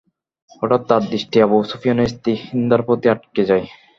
হঠাৎ তার দৃষ্টি আবু সুফিয়ানের স্ত্রী হিন্দার প্রতি আটকে যায়।